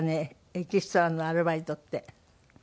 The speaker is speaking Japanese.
エキストラのアルバイトって。